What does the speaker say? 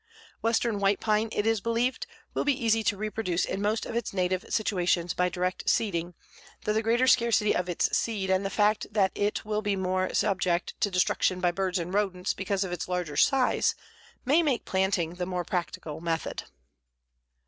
Western white pine, it is believed, will be easy to reproduce in most of its native situations by direct seeding, though the greater scarcity of its seed and the fact that it will be more subject to destruction by birds and rodents because of its larger size may make planting the more practical method.